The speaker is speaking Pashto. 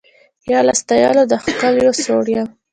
یا له ستایلو د ښکلیو سوړ یم